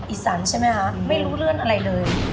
อีสานใช่ไหมคะไม่รู้เลื่อนอะไรเลย